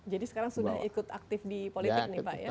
jadi sekarang sudah ikut aktif di politik nih pak ya